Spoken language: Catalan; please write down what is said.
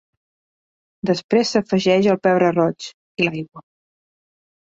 Després s'afegeix el pebre roig, i l'aigua.